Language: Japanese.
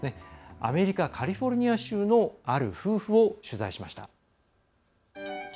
アメリカ・カリフォルニア州のある夫婦を取材しました。